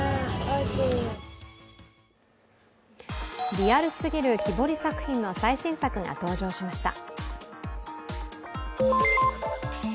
リアルすぎる木彫り作品の最新作が登場しました。